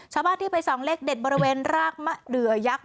ชาวบ้านที่ไปส่องเลขเด็ดบริเวณรากมะเดือยักษ์